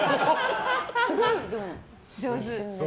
すごい、でも上手。